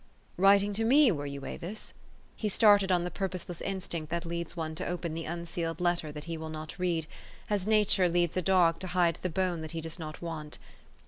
" Writing to me, were you, Avis? " He started on the purposeless instinct that leads one to open the unsealed letter that he will not read, as nature leads a dog to hide the bone that he does not want.